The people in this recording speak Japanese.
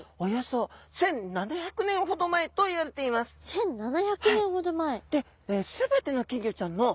１，７００年ほど前。